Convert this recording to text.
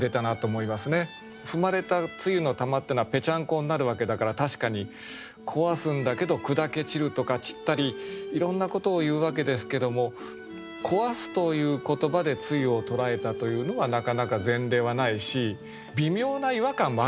踏まれた露の玉ってのはぺちゃんこになるわけだから確かに壊すんだけど砕け散るとか散ったりいろんなことを言うわけですけども「こはす」という言葉で露をとらえたというのはなかなか前例はないし微妙な違和感もあるんですね。